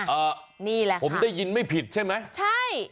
นี่แหละผมได้ยินไม่ผิดใช่ไหมใช่